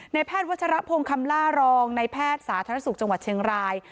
แพทย์วัชรพงศ์คำล่ารองในแพทย์สาธารณสุขจังหวัดเชียงราย